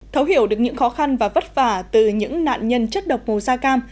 thấu hiểu được những khó khăn và vất vả từ những nạn nhân chất độc màu da cam